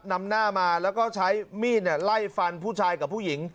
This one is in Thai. นำหน้ามาแล้วก็ใช้มีดไล่ฟันผู้ชายกับผู้หญิง